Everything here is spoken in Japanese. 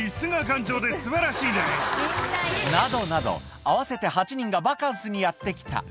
などなど、合わせて８人がバカンスにやって来た。